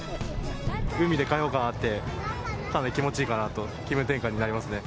海で開放感あって、かなり気持ちいいかなと、気分転換になりますね。